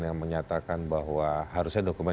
yang mengaturkan peraturan yang diperlukan